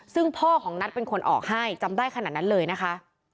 ซึ่งพ่อของนัทเป็นคนออกให้จำได้ขนาดนั้นเลยนะคะ